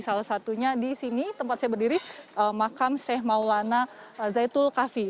salah satunya di sini tempat saya berdiri makam sheikh maulana zaitul kafi